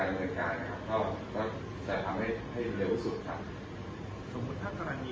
อาจจะเป็นชาวต่างชาติหรืออาจจะทำในปัญหาประเทศขึ้นมาตลอดการการเนี่ย